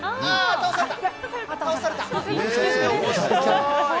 倒された。